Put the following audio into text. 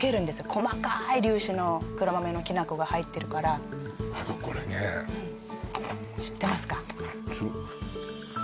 細かい粒子の黒豆のきな粉が入ってるからこれね知ってますか？